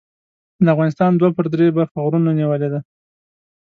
د افغانستان دوه پر درې برخه غرونو نیولې ده.